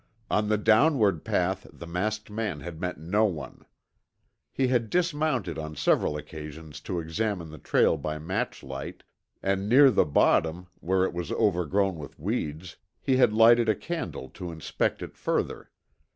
On the downward path, the masked man had met no one. He had dismounted on several occasions to examine the trail by matchlight, and near the bottom, where it was overgrown with weeds, he had lighted a candle to inspect it further.